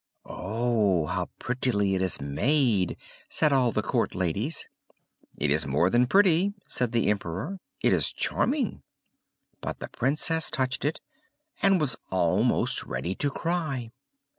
"Oh, how prettily it is made!" said all the court ladies. "It is more than pretty," said the Emperor, "it is charming!" But the Princess touched it, and was almost ready to cry.